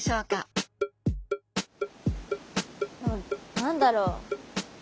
何だろう？